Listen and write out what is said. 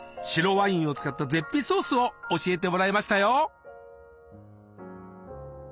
白ワインを使った絶品ソースを教えてもらいましたよ。